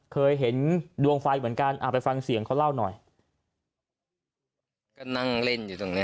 เคยเห็นดวงไฟเหมือนกันไปฟังเสียงเขาเล่าหน่อยก็นั่งเล่นอยู่ตรงเนี้ย